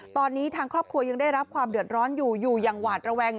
ตอนนี้ทางครอบครัวยังได้รับความเดือดร้อนอยู่อยู่อย่างหวาดระแวง